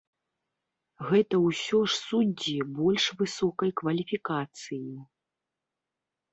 Гэта ўсё ж суддзі больш высокай кваліфікацыі.